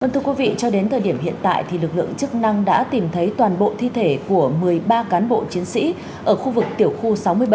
thưa quý vị cho đến thời điểm hiện tại thì lực lượng chức năng đã tìm thấy toàn bộ thi thể của một mươi ba cán bộ chiến sĩ ở khu vực tiểu khu sáu mươi bảy